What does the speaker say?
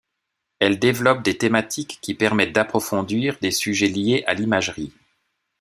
Elles développent des thématiques qui permettent d’approfondir des sujets liés à l'imagerie.